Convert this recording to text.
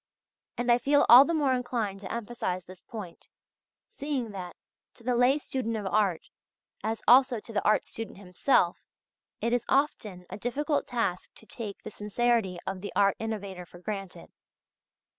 And I feel all the more inclined to emphasize this point, seeing that, to the lay student of art, as also to the art student himself, it is often a difficult task to take the sincerity of the art innovator for granted.